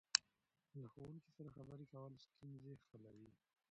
له ښوونکي سره خبرې کول ستونزې حلوي.